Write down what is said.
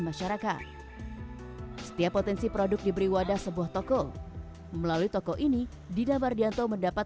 masyarakat setiap potensi produk diberi wadah sebuah toko melalui toko ini dina mardianto mendapat